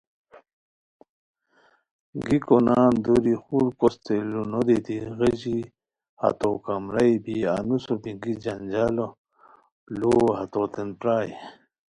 گیکو نان دُوری خورکوستین لُو نودیتی غیژی ہتوکمرائی بی انوسو میکیو جنجالو لُوؤ ہتوتین پرائے